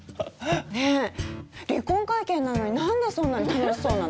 ねぇ離婚会見なのに何でそんなに楽しそうなの？